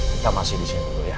kita masih di sini dulu ya